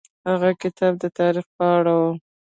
هغه کتاب د تاریخ په اړه و.